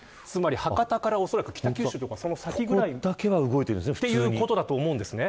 博多からおそらく北九州とかその先ぐらいということだと思うんですね。